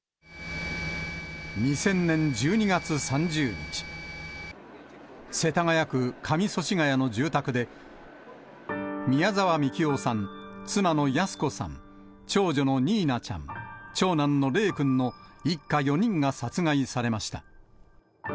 ２０００年１２月３０日、世田谷区上祖師谷の住宅で、宮沢みきおさん、妻の泰子さん、長女のにいなちゃん、長男の礼くんの一家４人が殺害されました。